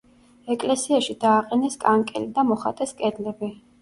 ეკლესიაში დააყენეს კანკელი და მოხატეს კედლები.